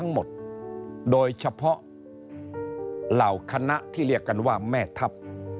โดยเฉพาะเหล่าคณะที่เรียกกันว่าแม่ทัพ